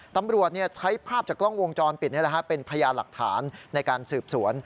ตำรวจใช้ภาพจากกล้องวงจรปิดเป็นพยานหลักฐานในการสืบสวน